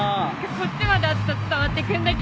こっちまで熱さ伝わってくんだけど。